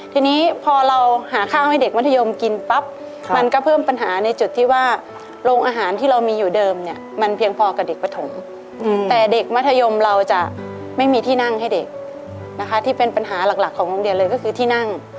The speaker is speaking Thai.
ทีนี้พอเราหาข้าวให้เด็กมัธยมกินปั๊บมันก็เพิ่มปัญหาในจุดที่ว่าโรงอาหารที่เรามีอยู่เดิมเนี่ยมันเพียงพอกับเด็กปฐมแต่เด็กมัธยมเราจะไม่มีที่นั่งให้เด็กนะคะที่เป็นปัญหาหลักของโรงเรียนเลยก็คือที่นั่ง